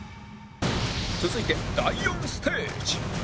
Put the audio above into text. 続いて第４ステージ